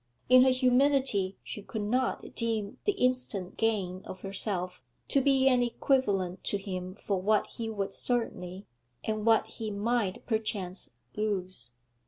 In her humility she could not deem the instant gain of herself to be an equivalent to him for what he would certainly, and what he might perchance, lose.